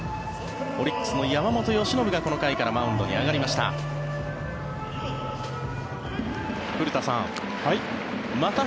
オリックスの山本由伸がこの回からマウンドに上がりました。